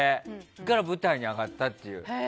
それから舞台に上がったという。